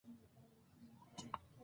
پښتو ژبه به په دې سفر کې زموږ لارښود وي.